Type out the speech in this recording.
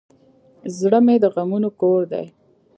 زړه د غمونو کور دی.